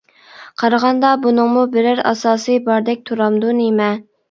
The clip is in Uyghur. قارىغاندا بۇنىڭمۇ بىرەر ئاساسى باردەك تۇرامدۇ نېمە؟ !